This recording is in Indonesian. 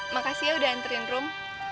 makasih ya udah anterin rum